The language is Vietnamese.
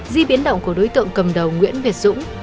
di biến động của đối tượng cầm đầu nguyễn việt dũng